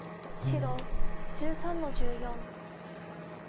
白１３の十四。